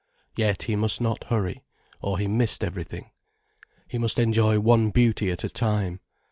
Yet he must not hurry, or he missed everything. He must enjoy one beauty at a time.